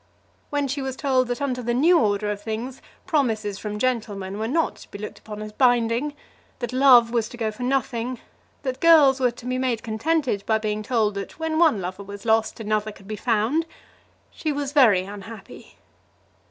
When she was told that under the new order of things promises from gentlemen were not to be looked upon as binding, that love was to go for nothing, that girls were to be made contented by being told that when one lover was lost another could be found, she was very unhappy.